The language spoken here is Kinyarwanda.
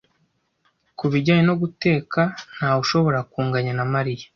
Ku bijyanye no guteka, ntawe ushobora kunganya na Mariya.